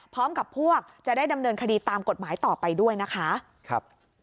พร้อมกับพวกจะได้ดำเนินคดีตามกฎหมายต่อไปด้วยนะคะ